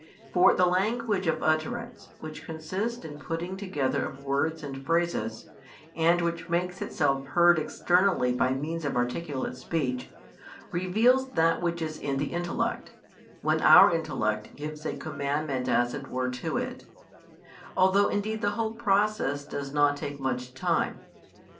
For the language of utterance, which consists in the putting together of words and phrases, and which makes itself heard externally by means of articulate speech, reveals that which is in the intellect, when our intellect gives a commandment as it were to it; although indeed the whole process does not take much time.